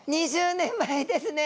２０年前ですね。